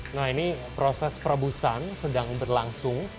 nah ini proses perebusan sedang berlangsung